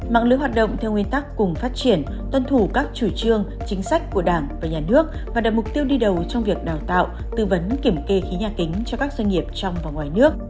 mạng lưới hoạt động theo nguyên tắc cùng phát triển tuân thủ các chủ trương chính sách của đảng và nhà nước và đặt mục tiêu đi đầu trong việc đào tạo tư vấn kiểm kê khí nhà kính cho các doanh nghiệp trong và ngoài nước